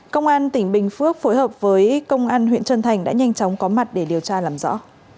công an tỉnh bình phước phối hợp với công an huyện trân thành đã nhanh chóng có mặt để điều tra làm rõ